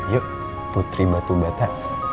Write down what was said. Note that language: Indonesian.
yuk putri batu bata